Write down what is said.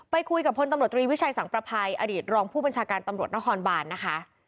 คุยกับพลตำรวจตรีวิชัยสังประภัยอดีตรองผู้บัญชาการตำรวจนครบานนะคะ